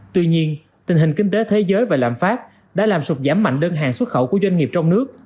tuy nhiên tình hình kinh tế thế giới và lạm phát đã làm sụp giảm mạnh đơn hàng xuất khẩu của doanh nghiệp trong nước